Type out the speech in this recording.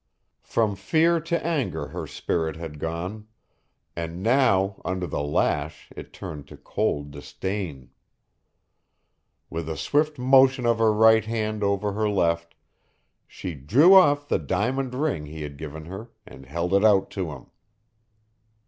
From fear to anger her spirit had gone, and now under the lash it turned to cold disdain. With a swift motion of her right hand over her left she drew off the diamond ring he had given her and held it out to him.